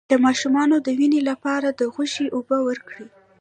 د ماشوم د وینې لپاره د غوښې اوبه ورکړئ